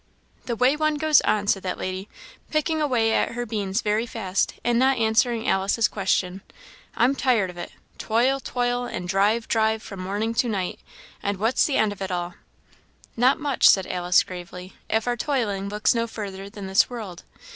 "The way one goes on!" said that lady, picking away at her beans very fast, and not answering Alice's question; "I'm tired of it; toil, toil, and drive, drive, from morning to night and what's the end of it all?" "Not much," said Alice, gravely, "if our toiling looks no further than this world.